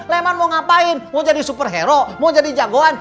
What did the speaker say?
leman mau ngapain mau jadi superhero mau jadi jagoan